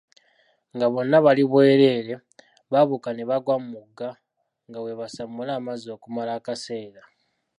Nga bonna bali bwerere, baabuuka ne bagwa mu mugga, nga bwe basamula amazzi okumala akaseera.